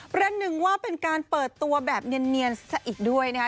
ประหนึ่งว่าเป็นการเปิดตัวแบบเนียนซะอีกด้วยนะคะ